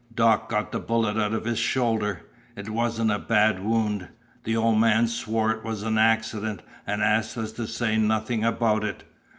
Doc got the bullet out of his shoulder. It wasn't a bad wound. The old man swore it was an accident, and asked us to say nothing about it.